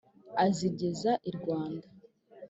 Azigeza i Rwanda.